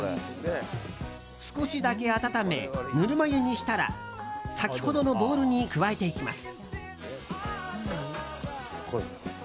少しだけ温め、ぬるま湯にしたら先ほどのボウルに加えていきます。